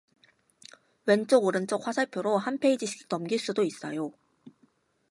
왼쪽 오른쪽 화살표로 한 페이지씩 넘길 수도 있어요.